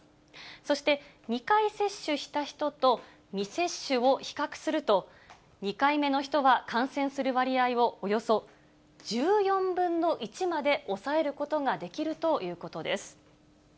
そして、２回接種した人と、未接種を比較すると、２回目の人は感染する割合を、およそ１４分の１まで抑えることができるということです。